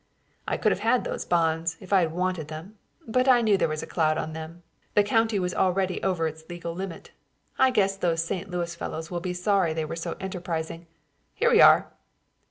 "I could have had those bonds, if I had wanted them; but I knew there was a cloud on them the county was already over its legal limit. I guess those St. Louis fellows will be sorry they were so enterprising here we are!"